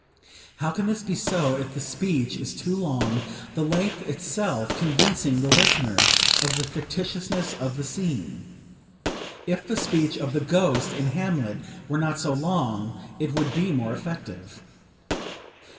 How can this be so if the speech is too long the length itself convincing the listener of the fictitiousness of the scene? If the speech of the 'Ghost' in 'Hamlet' were not so long it would be more effective."